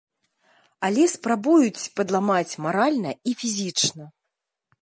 Але спрабуюць падламаць маральна і фізічна.